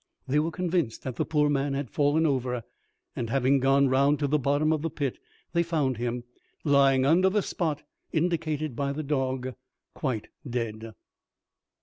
They were convinced that the poor man had fallen over; and having gone round to the bottom of the pit, they found him, lying under the spot indicated by the dog, quite dead.